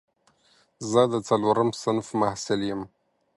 زه د څلورم صنف محصل یم